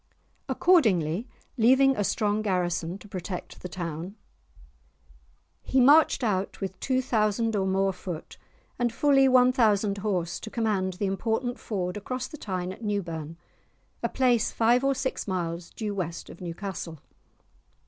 Accordingly, leaving a strong garrison to protect the town, he marched out with two thousand or more foot and fully one thousand horse to command the important ford across the Tyne at Newburn, a place five or six miles due west of Newcastle.